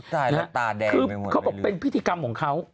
แล้วตาแดงไปหมดเลยหรือเปล่าคือเขาบอกเป็นพิธีกรรมของเขา